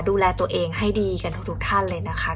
ดูแลตัวเองให้ดีกันทุกท่านเลยนะคะ